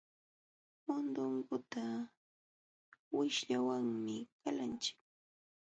Mundunguta wishlawanmi qalanchik.